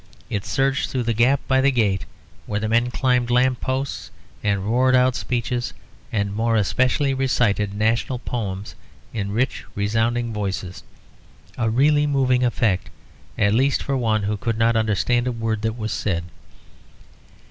It surged through the gap by the gate, where men climbed lamp posts and roared out speeches, and more especially recited national poems in rich resounding voices; a really moving effect, at least for one who could not understand a word that was said.